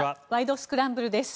スクランブル」です。